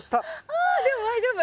ああでも大丈夫。